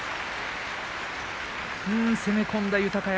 攻め込んだ豊山。